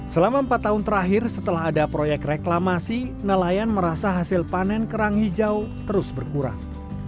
selama empat tahun terakhir setelah ada proyek reklamasi nelayan merasa hasil panen kerang hijau terus berkurang